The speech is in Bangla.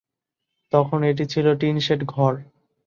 তখন এটি ছিল টিনশেড ঘর।